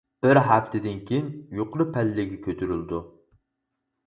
بىر ھەپتىدىن كىيىن يۇقىرى پەللىگە كۆتۈرۈلىدۇ.